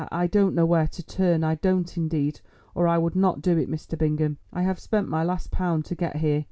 I don't know where to turn, I don't indeed, or I would not do it, Mr. Bingham. I have spent my last pound to get here.